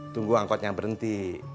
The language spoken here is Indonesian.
tunggu angkotnya berhenti